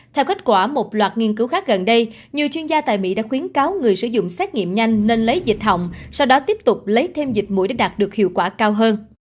theo kết quả một loạt nghiên cứu khác gần đây nhiều chuyên gia tại mỹ đã khuyến cáo người sử dụng xét nghiệm nhanh nên lấy dịch hỏng sau đó tiếp tục lấy thêm dịch mũi để đạt được hiệu quả cao hơn